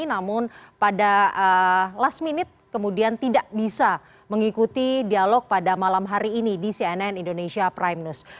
namun pada last minute kemudian tidak bisa mengikuti dialog pada malam hari ini di cnn indonesia prime news